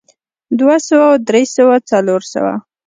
دوه سوه درې سوه څلور سوه